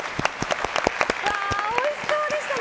おいしそうでしたね。